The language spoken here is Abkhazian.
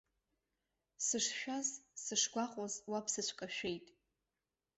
Сышшәаз, сышгәаҟуаз уа бсыцәкашәеит!